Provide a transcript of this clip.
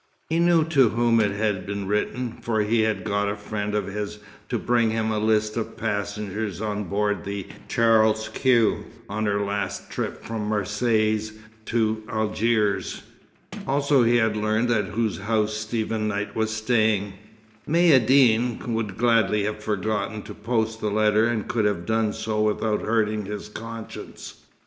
He knew to whom it had been written, for he had got a friend of his to bring him a list of passengers on board the Charles Quex on her last trip from Marseilles to Algiers. Also, he had learned at whose house Stephen Knight was staying. Maïeddine would gladly have forgotten to post the letter, and could have done so without hurting his conscience.